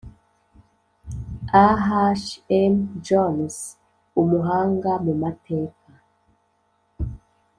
A H M Jones umuhanga mu mateka